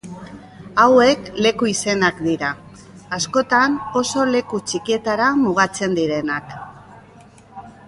Hauek leku-izenak dira, askotan oso leku txikietara mugatzen direnak.